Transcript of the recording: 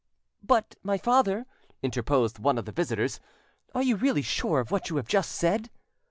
"But, my father," interposed one of the visitors, "are you really sure of what you have just said?"